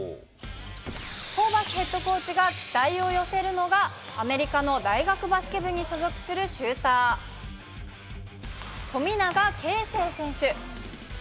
ホーバスヘッドコーチが期待を寄せるのが、アメリカの大学バスケ部に所属するシューター、富永啓生選手。